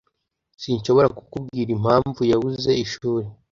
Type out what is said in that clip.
Sinshobora kukubwira impamvu yabuze ishuri.